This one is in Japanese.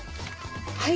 はい！